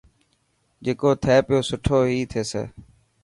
جڪو ٿي پيو سٺو هي ٿيي.